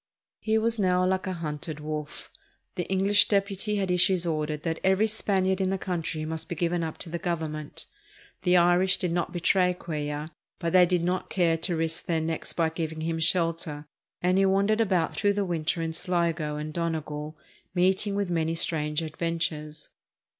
He was now like a hunted wolf. The Enghsh deputy had issued orders that every Spaniard in the country must be given up to the Government. The Irish did not betray Cuellar, but they did not care to risk their necks by giving him shelter; and he wandered about through the winter in Sligo and Donegal, meeting with many strange adventures.